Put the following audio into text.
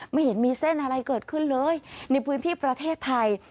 ไม่เห็นมีเส้นอะไรเกิดขึ้นเลยในพื้นที่ประเทศไทย